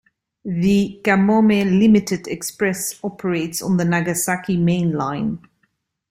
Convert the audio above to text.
The "Kamome" limited express operates on the Nagasaki Main Line.